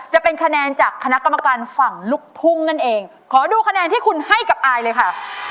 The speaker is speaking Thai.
จะเป็นคะแนนจากคณะกรรมการฝั่งลูกทุ่งนั่นเองขอดูคะแนนที่คุณให้กับอายเลยค่ะ